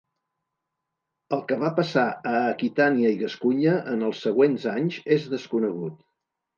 El que va passar a Aquitània i Gascunya en els següents anys, és desconegut.